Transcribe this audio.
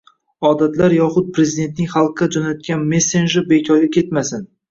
Odatlar yoxud Prezidentning xalqqa jo‘natgan “messeji” bekorga ketmasin